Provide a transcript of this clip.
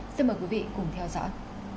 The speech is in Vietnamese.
xin mời quý vị cùng theo dõi